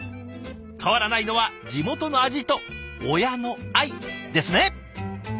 変わらないのは地元の味と親の愛ですね。